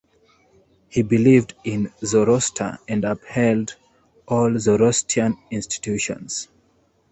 He believed in Zoroaster and upheld all Zoroastrian institutions.